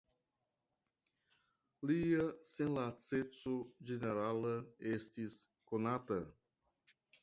Lia senlaceco ĝenerala estis konata.